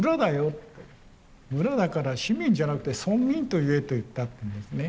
村だから市民じゃなくて村民と言え』と言った」と言うんですね。